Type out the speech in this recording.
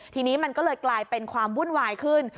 ทีนี้มันก็เลยกลายเป็นความวุ่นวายขึ้น